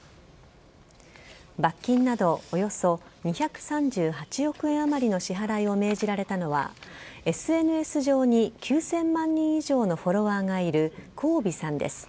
罰金などおよそ２３８億円余りの支払いを命じられたのは、ＳＮＳ上に９０００万人以上のフォロワーがいる黄薇さんです。